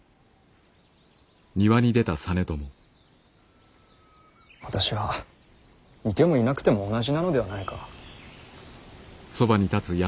私はいてもいなくても同じなのではないか。